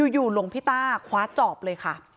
อยู่หลวงพิต้าคว้าจอบเลยค่ะ